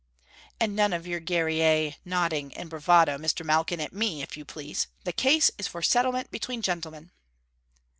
And none of your guerrier nodding and bravado, Mister Malkin, at me, if you please. The case is for settlement between gentlemen.'